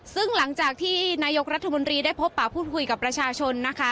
ซึ่งหลังจากที่นายกรัฐมนตรีได้พบป่าพูดคุยกับประชาชนนะคะ